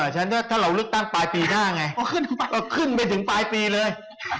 ฉันถ้าเราเลือกตั้งปลายปีหน้าไงก็ขึ้นไปถึงปลายปีเลย